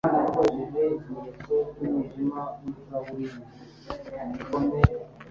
bari abanebwe cyane ku buryo batampa ibisobanuro birambuye noneho ibyumba ntibyari byemewe